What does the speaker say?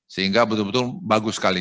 sehingga betul betul bagus sekali